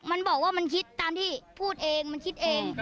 มันบอกว่ามันคิดตามที่พูดเองมันคิดเอง